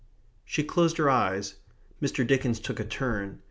She closed her eyes. Mr. Dickens took a turn.